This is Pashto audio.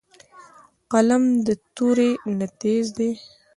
قلم د تورې نه تېز دی